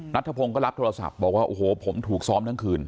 นัทธพงศ์ก็รับโทรศัพท์บอกว่าโอ้โหผมถูกซ้อมทั้งคืน